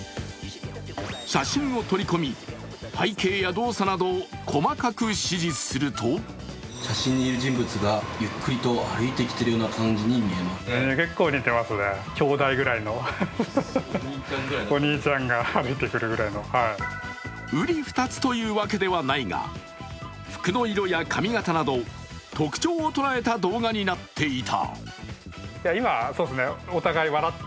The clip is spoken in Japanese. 写真を取り込み、背景や動作などを細かく指示するとうり二つというわけではないが服の色や髪形など特徴を捉えた動画になっていた。